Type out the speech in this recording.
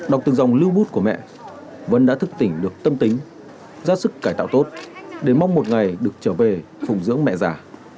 đọc từng dòng lưu bút của mẹ vẫn đã thức tỉnh được tâm tính ra sức cải tạo tốt để mong một ngày được trở về phùng dưỡng mẹ già